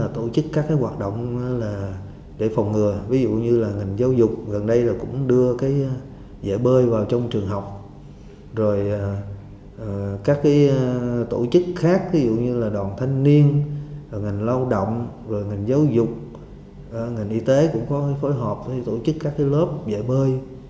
tổ chức khác như đoàn thanh niên ngành lao động ngành giáo dục ngành y tế cũng phối hợp tổ chức các lớp dạy bơi